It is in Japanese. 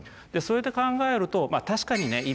そうやって考えると確かにね